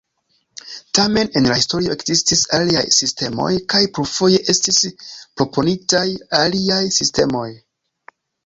Tamen en la historio ekzistis aliaj sistemoj kaj plurfoje estis proponitaj aliaj sistemoj.